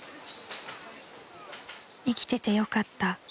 ［生きててよかった］